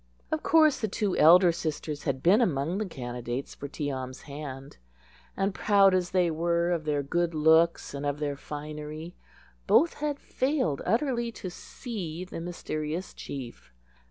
"] Of course the two elder sisters had been among the candidates for Tee am's hand: and, proud as they were of their good looks and of their finery, both had failed utterly to see the mysterious chief.